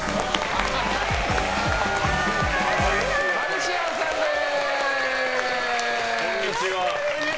マルシアさんです。